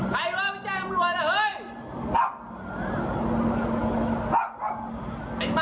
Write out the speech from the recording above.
เห็นหน้าเห็นต้ามัน